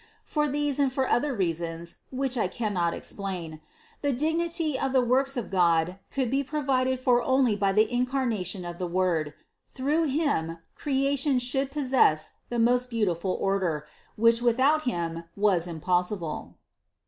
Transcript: For these and for other reasons (which I cannot explain), the dignity of the works of God could be provided for only by the Incarna tion of the Word ; through Him Creation should possess the most beautiful order, which without Him was im possible.